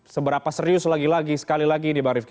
seberapa serius lagi lagi sekali lagi ini bang rifki